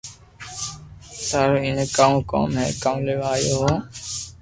ٿارو ايئي ڪاؤ ڪوم ھي ڪاو ليوا آيا ھون